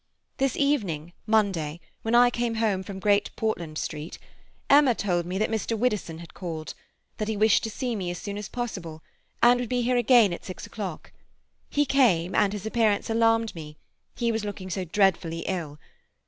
This evening (Monday), when I came home from Great Portland Street, Emma told me that Mr. Widdowson had called, that he wished to see me as soon as possible, and would be here again at six o'clock. He came, and his appearance alarmed me, he was looking so dreadfully ill.